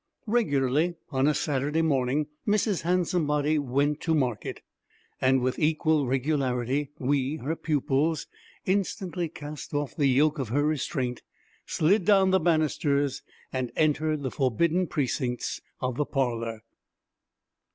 Regularly on a Saturday morning Mrs. Handsomebody went to market, and with equal regularity we, her pupils, instantly cast off the yoke of her restraint, slid down the banisters, and entered the forbidden precincts of the Parlor.